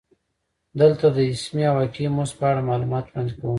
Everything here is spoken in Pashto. دلته د اسمي او واقعي مزد په اړه معلومات وړاندې کوو